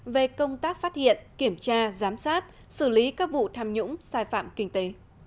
về công tác phát hiện kiểm tra giám sát xử lý các vụ tham nhũng sai phạm kinh tế